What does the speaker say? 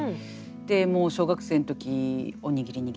もう小学生の時おにぎり握って。